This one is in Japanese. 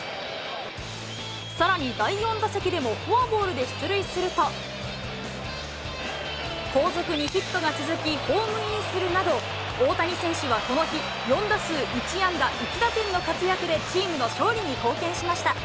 さらに第４打席でもフォアボールで出塁すると、後続にヒットが続き、ホームインするなど、大谷選手はこの日、４打数１安打１打点の活躍でチームの勝利に貢献しました。